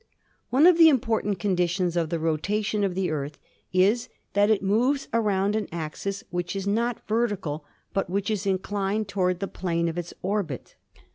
One of the important conditions of the rotation of the Earth is that it moves around an axis which is not vertical but which is inclined toward the plane of its orbit.